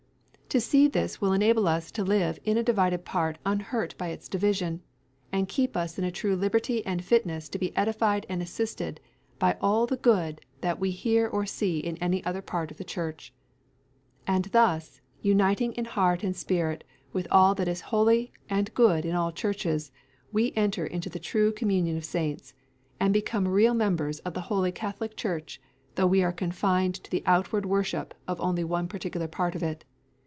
To see this will enable us to live in a divided part unhurt by its division, and keep us in a true liberty and fitness to be edified and assisted by all the good that we hear or see in any other part of the Church. And thus, uniting in heart and spirit with all that is holy and good in all Churches, we enter into the true communion of saints, and become real members of the Holy Catholic Church, though we are confined to the outward worship of only one particular part of it.